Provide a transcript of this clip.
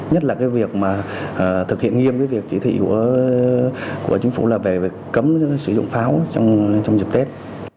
nhất là việc thực hiện nghiêm với việc chỉ thị của chính phủ là về cấm sử dụng pháo trong dịp tết